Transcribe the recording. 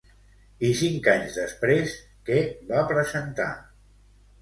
I cinc anys després, què va presentar?